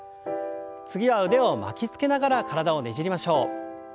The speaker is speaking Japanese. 次は腕を巻きつけながら体をねじりましょう。